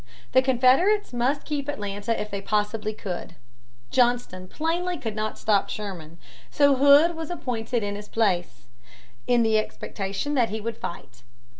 The Confederates must keep Atlanta if they possibly could. Johnston plainly could not stop Sherman. So Hood was appointed in his place, in the expectation that he would fight.